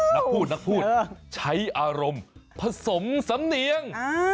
นักพูดนักพูดใช้อารมณ์ผสมสำเนียง